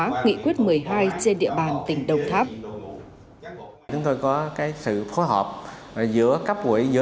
nghị quyết một mươi hai trên địa bàn tỉnh đồng tháp chúng tôi có cái sự phối hợp giữa cấp quỹ giữa